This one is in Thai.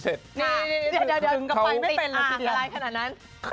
ขนมไหว้พระจันทร์